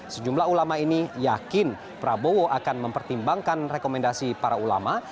sejumlah ulama ini yakin prabowo akan mempertimbangkan rekomendasi para ulama